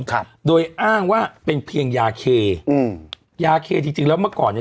ครับโดยอ้างว่าเป็นเพียงยาเคอืมยาเคจริงจริงแล้วเมื่อก่อนเนี้ย